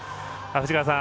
藤川さん